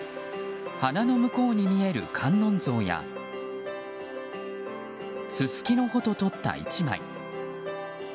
花の向こうに見える観音像やススキの穂と撮った１枚。